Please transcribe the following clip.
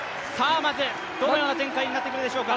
まず、どのような展開になってくるでしょうか？